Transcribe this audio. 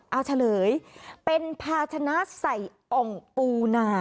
เอาเฉลยเป็นภาชนะใส่อ่องปูนา